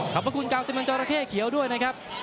ขอบพระกุณกาวเซมนจอนราเคเชียวด้วยนะครับ